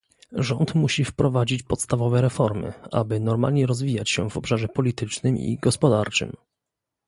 Rząd musi wprowadzić podstawowe reformy, aby normalnie rozwijać się w obszarze politycznym i gospodarczym